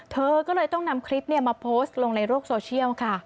เธอก็เลยต้องนำคลิปมาโพสต์ลงในโลกโซเชียลค่ะ